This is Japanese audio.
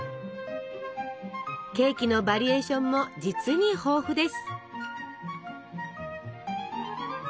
ケーキのバリエーションも実に豊富です！